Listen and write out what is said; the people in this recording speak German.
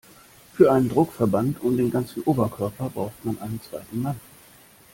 Für einen Druckverband um den ganzen Oberkörper braucht man einen zweiten Mann.